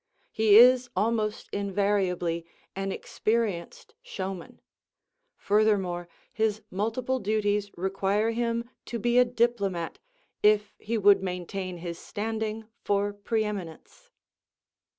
He is almost invariably an experienced showman. Furthermore, his multiple duties require him to be a diplomat if he would maintain his standing for preeminence.